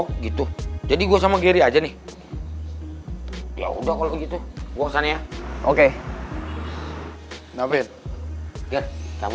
oh gitu jadi gue mau ngomong sama lu ya gue mau ngomong sama lu ya gue mau ngomong sama lu